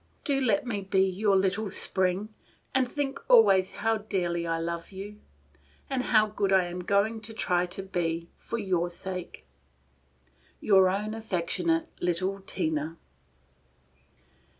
Do let me be your little Spring, and think always how dearly I love you, and how good I am going to try to be for your sake. "Your own affectionate little "TINA."